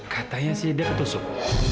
katanya sih dia ketusuk